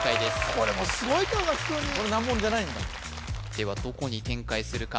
これもすごいこれ難問じゃないんだではどこに展開するか？